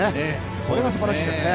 それがすばらしいですね。